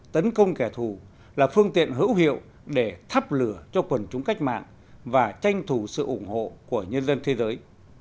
tấn công kẻ thù là phương tiện hữu hiệu để thắp lửa cho quần chúng cách mạng và tranh thủ sự ủng hộ của nhân dân thế giới